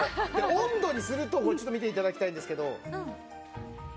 温度にするとこれちょっと見て頂きたいんですけど。